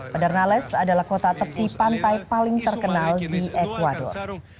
pedernales adalah kota tepi pantai paling terkenal di ecuador